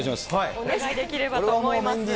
お願いできればと思います。